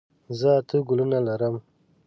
زه اته ګلونه لرم.